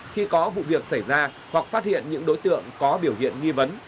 khi có vụ việc xảy ra hoặc phát hiện những đối tượng có biểu hiện nghi vấn